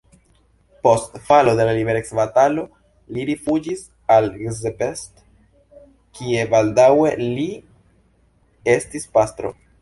Post falo de la liberecbatalo li rifuĝis al Szepes, kie baldaŭe li estis pastro.